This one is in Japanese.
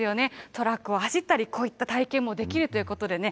トラックを走ったり、こういった体験もできるということでね。